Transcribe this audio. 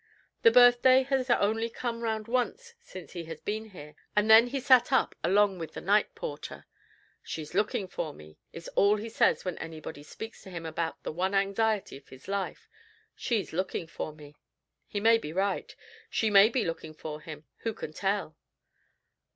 The birthday has only come round once since he has been here, and then he sat up along with the night porter. 'She's looking for me,' is all he says when anybody speaks to him about the one anxiety of his life; 'she's looking for me.' He may be right. She may be looking for him. Who can tell?"